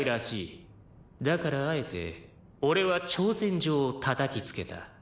「だからあえて俺は挑戦状をたたきつけた」